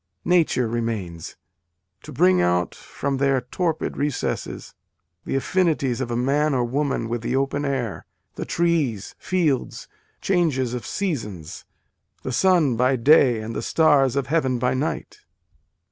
Nature remains : to bring out from their torpid recesses, the affinities of a man or woman with the open air, the trees, fields, changes of seasons the sun by day and the stars of heaven by night."